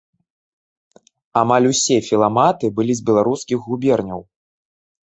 Амаль усе філаматы былі з беларускіх губерняў.